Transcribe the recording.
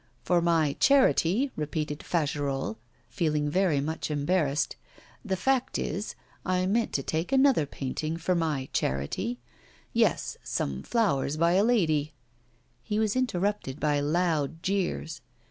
'For my "charity,"' repeated Fagerolles, feeling very much embarrassed; 'the fact is, I meant to take another painting for my "charity." Yes, some flowers by a lady ' He was interrupted by loud jeers.